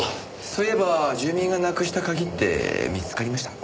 そういえば住人がなくした鍵って見つかりました？